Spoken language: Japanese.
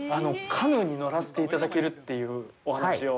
カヌーに乗らせていただけるっていうお話を。